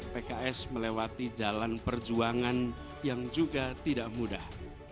pks melewati jalan perjuangan yang juga tidak mudah